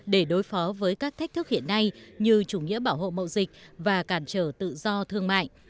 để đối phó với các thách thức hiện nay như chủ nghĩa bảo hộ mậu dịch và cản trở tự do thương mại